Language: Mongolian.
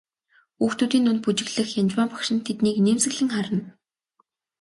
Хүүхдүүдийн дунд бүжиглэх Янжмаа багш нь тэднийг инээмсэглэн харна.